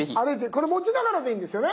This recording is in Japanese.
これ持ちながらでいいんですよね？